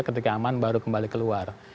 ketika aman baru kembali keluar